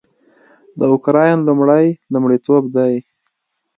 د اوکراین لومړی لومړیتوب دی